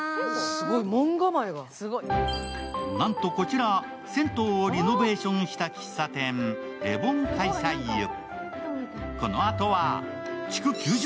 なんとこちら銭湯をリノベーションした喫茶店、レボン快哉湯。